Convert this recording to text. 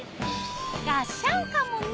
がっしゃんかもね。